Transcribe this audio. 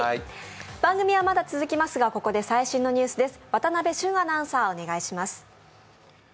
番組はまだ続きますがここで最新のニュースです。